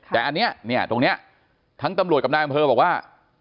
แต่อันนี้เนี่ยตรงนี้ทั้งตำรวจกับนายอำเภอบอกว่า